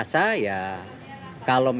sampai ketemu kok